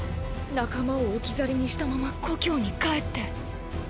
仲間を置き去りにしたまま故郷に帰って。